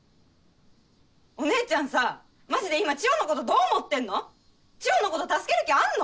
お姉ちゃんさマジで今チヨのことどう思ってんの⁉チヨのこと助ける気あんの⁉